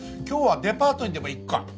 今日はデパートにでも行くか？